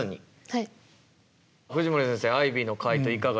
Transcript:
はい。